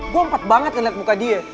gue empat banget ngeliat muka dia